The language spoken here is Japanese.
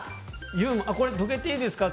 これ、どけていいですか？